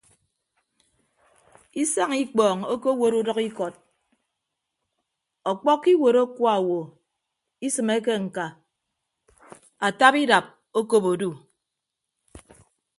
Isañ ikpọọñ okowot udʌkikọt ọkpọkkọ iwuot akuaowo isịmeke ñka ataba idap okop odu.